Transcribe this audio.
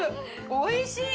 おいしい！